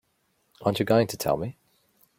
Aren't you going to tell me?